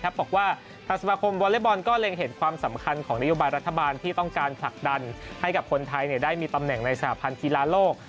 บอกว่าทางสมาคมวอเล็กบอลก็เล็งเห็นความสำคัญของนโยบายรัฐบาลที่ต้องการผลักดันให้กับคนไทยได้มีตำแหน่งในสหพันธ์กีฬาโลก